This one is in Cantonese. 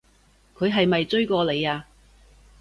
佢係咪追過你啊？